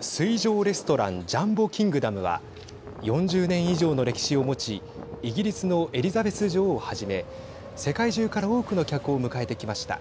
水上レストランジャンボ・キングダムは４０年以上の歴史を持ちイギリスのエリザベス女王をはじめ世界中から多くの客を迎えてきました。